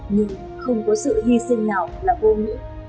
nhưng không có sự hy sinh nào là vô nghĩa